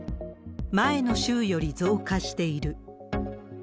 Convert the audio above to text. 前の週より増加している。